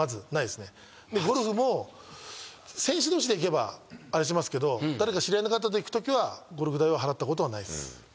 ゴルフも選手同士で行けばあれしますけど誰か知り合いの方と行くときはゴルフ代は払ったことはないっす。